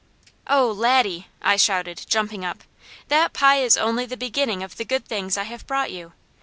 "Oh Laddie!" I shouted, jumping up, "that pie is only the beginning of the good things I have brought you.